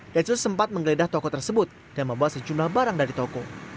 dan sus sempat menggeledah toko tersebut dan membawa sejumlah barang dari toko